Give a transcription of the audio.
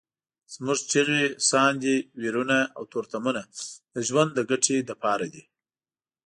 زموږ چیغې، ساندې، ویرونه او تورتمونه د ژوند د ګټې لپاره دي.